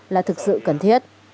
là thực sự cần thiết